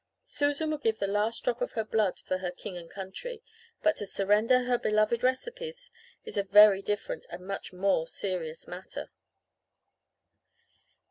"Susan would give the last drop of her blood for her 'king and country,' but to surrender her beloved recipes is a very different and much more serious matter.